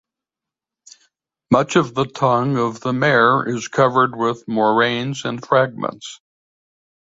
Much of the tongue of the mare is covered with moraines and fragments.